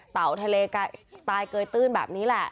เต่าทะเลตายเกยตื้นแบบนี้แหละ